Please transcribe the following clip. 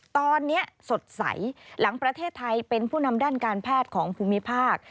ตอนนี้สดใสหลังประเทศไทยเป็นผู้นำด้านการแพทย์ของภูมิภาค